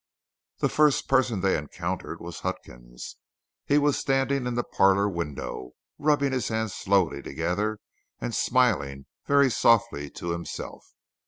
The first person they encountered was Huckins. He was standing in the parlor window, rubbing his hands slowly together and smiling very softly to himself.